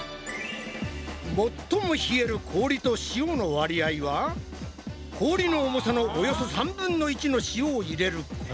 最も冷える氷と塩の割合は氷の重さのおよそ３分の１の塩を入れること。